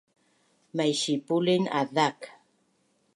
Maisipulin azak